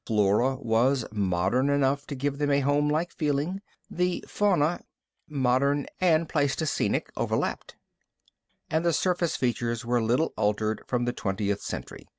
The flora was modern enough to give them a homelike feeling. The fauna, modern and Pleistocenic, overlapped. And the surface features were little altered from the twentieth century.